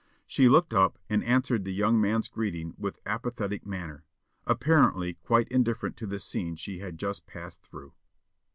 She looked up and answered the young man's greeting with apathetic manner, apparently quite indifferent to the scene she had just passed through.